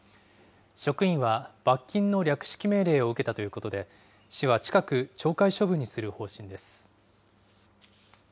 職員は罰金の略式命令を受けたということで、市は近く、懲戒処分にする方針です。